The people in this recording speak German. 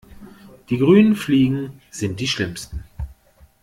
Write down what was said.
Die grünen Fliegen sind die schlimmsten.